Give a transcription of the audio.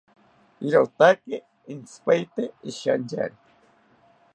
Irotaki intzipaete ishiyanchari